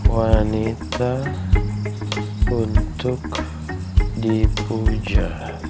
wanita untuk dipuja